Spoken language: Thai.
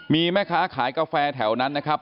มีแม่ค้าขายกาแฟแถวนั้นนะครับ